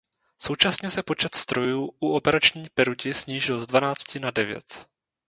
Současně se počet strojů u operační peruti snížil z dvanácti na devět.